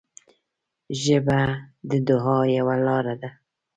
ژبه د دعا یوه لاره ده